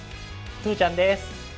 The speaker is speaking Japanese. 鶴ちゃんです！